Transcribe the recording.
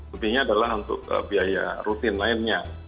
lebihnya adalah untuk biaya rutin lainnya